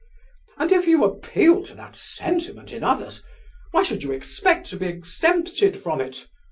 And if you appeal to that sentiment in others, why should you expect to be exempted from it?